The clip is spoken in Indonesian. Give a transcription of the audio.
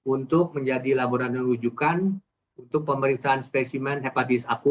untuk menjadi laboratorium rujukan untuk pemeriksaan spesimen hepatitis akut